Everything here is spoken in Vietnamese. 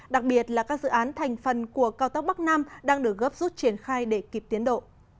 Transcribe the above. đặc biệt là các dự án thành phần của cao tốc bắc nam đang được gấp rút triển khai để kịp tiến độ